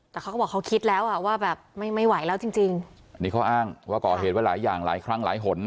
แต่เขาก็บอกเขาคิดแล้วอ่ะว่าแบบไม่ไม่ไหวแล้วจริงจริงนี่เขาอ้างว่าก่อเหตุไว้หลายอย่างหลายครั้งหลายหน